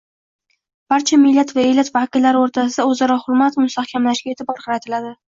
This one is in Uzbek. barcha millat va elat vakillari o‘rtasida o‘zaro hurmat mustahkamlashga e'tibor qaratiladi.